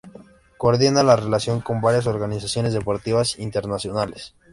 Coordina la relación con varias organizaciones deportivas internacionales.